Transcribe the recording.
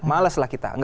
males lah kita